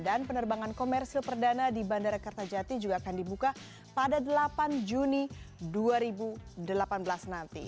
dan penerbangan komersil perdana di bandara kertajati juga akan dibuka pada delapan juni dua ribu delapan belas nanti